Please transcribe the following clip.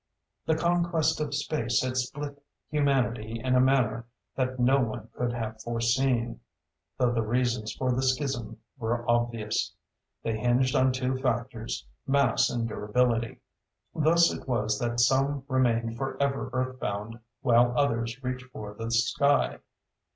The conquest of space had split humanity in a manner that no one could have foreseen, though the reasons for the schism were obvious. They hinged on two factors mass and durability. Thus it was that some remained forever Earthbound while others reached for the sky.